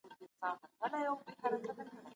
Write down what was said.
تپلي کتابونه لوستونکي له مطالعې ستړي کوي.